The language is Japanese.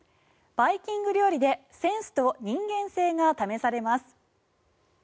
バイキング料理でセンスと人間性が試されます。